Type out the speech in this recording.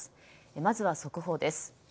まずは速報です。